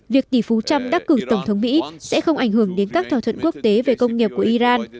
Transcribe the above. việc tỷ phú trump đắc cử tổng thống mỹ sẽ không ảnh hưởng đến các thỏa thuận quốc tế về công nghiệp của iran